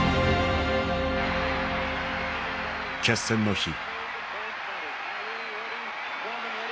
決戦の日。